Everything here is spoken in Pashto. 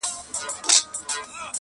که دي زوی وي که دي ورور که دي بابا دی٫